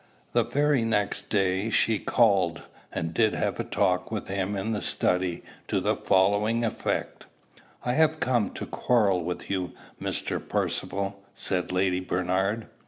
The very next day she called, and did have a talk with him in the study to the following effect: "I have come to quarrel with you, Mr. Percivale," said Lady Bernard.